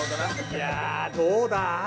いやあどうだ？